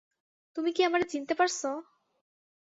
তুমি কি আমারে চিনতে পারছ?